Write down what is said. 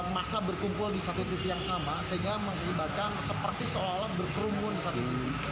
masalah berkumpul di satu titik yang sama sehingga mengibatkan seperti seolah olah berkerumun